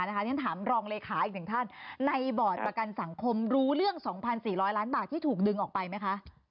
ฉันถามรองเลขาอีกหนึ่งท่านในบอร์ดประกันสังคมรู้เรื่อง๒๔๐๐ล้านบาทที่ถูกดึงออกไปไหมคะ